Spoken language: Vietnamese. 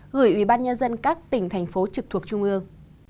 gửi ủy ban nhân dân các tỉnh thành phố trực thuộc trung ương